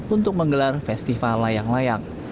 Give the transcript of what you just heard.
untuk menggelar festival layang layang